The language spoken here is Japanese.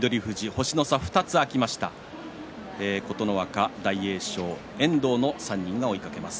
星の差２つ開きました琴ノ若、大栄翔、遠藤の３人が追いかけます。